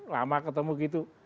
lama ketemu gitu